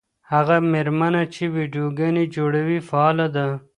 هغه مېرمنه چې ویډیوګانې جوړوي فعاله ده.